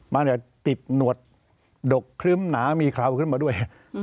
มันติดหนวดดกครึ้มหนามีเคราวขึ้นมาด้วย